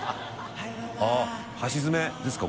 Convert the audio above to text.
飯尾）あっ箸詰めですか？